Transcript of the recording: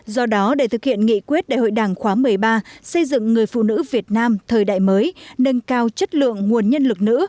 do đó để thực hiện nghị quyết đại hội đảng khóa một mươi ba xây dựng người phụ nữ việt nam thời đại mới nâng cao chất lượng nguồn nhân lực nữ